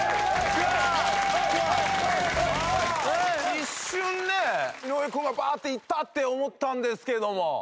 一瞬ね井上君がバーッていったって思ったんですけども。